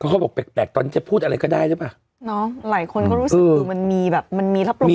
ก็เขาบอกแปลกแปลกตอนนี้จะพูดอะไรก็ได้ใช่ป่ะเนาะหลายคนก็รู้สึกว่ามันมีแบบมันมีรับรวมคุมใน